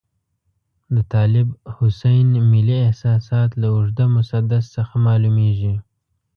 د طالب حسین ملي احساسات له اوږده مسدس څخه معلوميږي.